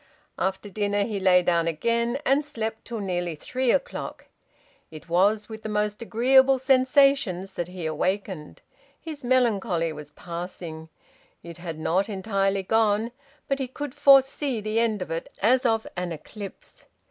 _" After dinner he lay down again, and slept till nearly three o'clock. It was with the most agreeable sensations that he awakened. His melancholy was passing; it had not entirely gone, but he could foresee the end of it as of an eclipse.